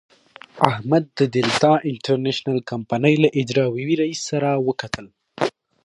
احمد د دلتا انټرنشنل کمينۍ له اجرائیوي رئیس سره وکتل.